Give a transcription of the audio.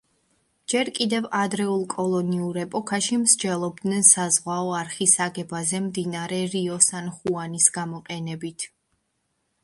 ჯერ კიდევ ადრეულ კოლონიურ ეპოქაში მსჯელობდნენ საზღვაო არხის აგებაზე მდინარე რიო სან ხუანის გამოყენებით.